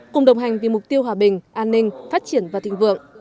cùng đồng hành vì mục tiêu hòa bình an ninh phát triển và thịnh vượng